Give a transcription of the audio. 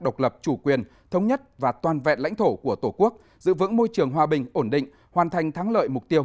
độc lập chủ quyền thống nhất và toàn vẹn lãnh thổ của tổ quốc giữ vững môi trường hòa bình ổn định hoàn thành thắng lợi mục tiêu